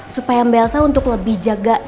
supaya mbelsa untuk lebih jaga